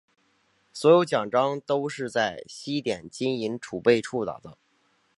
所有奖章都是在西点金银储备处打造。